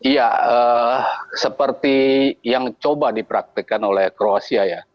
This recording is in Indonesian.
ya seperti yang coba dipraktekkan oleh kroasia ya